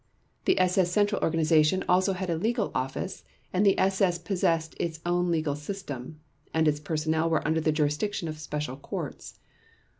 The SS Central Organization also had a legal office and the SS possessed its own legal system; and its personnel were under the jurisdiction of special courts.